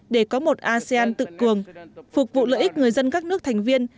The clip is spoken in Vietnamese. để có một asean tự cường phục vụ lợi ích người dân các nước thành viên